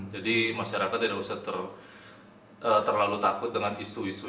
jadi masyarakat tidak usah terlalu takut dengan isu isu